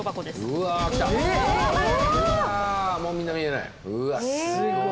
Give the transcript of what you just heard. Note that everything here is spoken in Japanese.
わあもうみんな見れない。